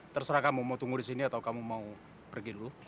terserah kamu mau tunggu di sini atau kamu mau pergi dulu